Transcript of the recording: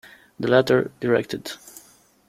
The latter directed.